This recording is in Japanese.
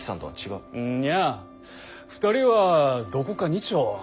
うんにゃ２人はどこか似ちょ。